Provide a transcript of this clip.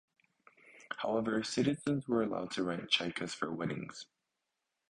However, citizens were allowed to rent Chaikas for weddings.